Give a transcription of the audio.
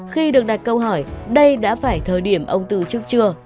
khi được đặt câu hỏi đây đã phải thời điểm ông từ trước chưa